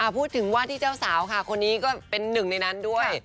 พูดถึงว่าที่เจ้าสาวค่ะคนนี้ก็เป็นหนึ่งในนั้นด้วย